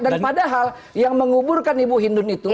dan padahal yang menguburkan ibu hindun itu